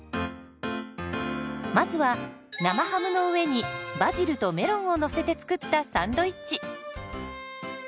まずは生ハムの上にバジルとメロンをのせて作ったサンドイッチ。